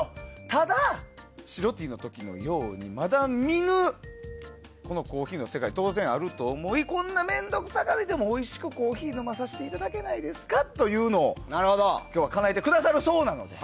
ただ、白Ｔの時のようにまだ見ぬコーヒーの世界が当然あると思いこんな面倒くさがりでもおいしくコーヒーを飲まさせていただけないですかというのを今日はかなえてくださるそうなので。